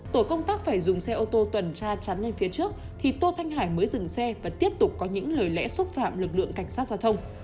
tổ công tác phải dùng xe ô tô tuần tra chắn lên phía trước thì tô thanh hải mới dừng xe và tiếp tục có những lời lẽ xúc phạm lực lượng cảnh sát giao thông